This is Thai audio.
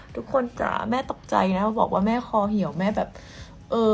ทุกคนจะแม่ตกใจนะบอกว่าแม่คอเหี่ยวแม่แบบเออ